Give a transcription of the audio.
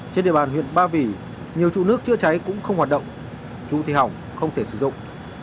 trên địa bàn huyện ba vì nhiều trụ nước chữa cháy cũng không hoạt động trụ thì hỏng không thể sử dụng